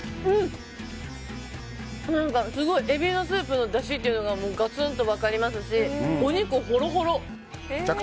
うん、すごいエビのスープのだしっていうのがガツンと分かりますしお肉がほろほろ。